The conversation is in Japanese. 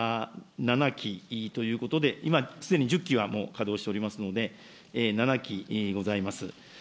それが７基ということで、今、すでに１０基は稼働していますので７基ございます。